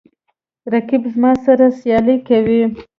رقیب زما سره سیالي کوي